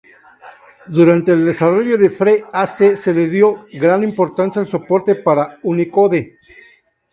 Durante el desarrollo de fre:ac, se le dio gran importancia al soporte para Unicode.